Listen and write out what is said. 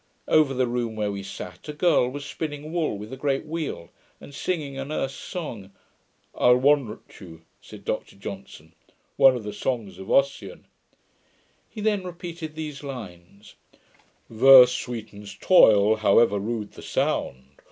Over the room where we sat, a girl was spinning wool with a great wheel, and singing, an Erse song: 'I'll warrant you,' said Dr Johnson, 'one of the songs of Ossian.' He then repeated these lines: '"Verse sweetens toil, however rude the sound.